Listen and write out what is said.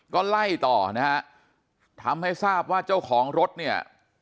ก็ไล่ต่อนะฮะทำให้ทราบว่าเจ้าของรถเนี่ย